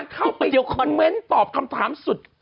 เข้าไปคอมเมนต์ตอบคำถามสุด